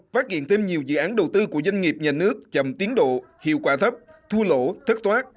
phát hiện thêm nhiều dự án đầu tư của doanh nghiệp nhà nước chậm tiến độ hiệu quả thấp thua lỗ thất thoát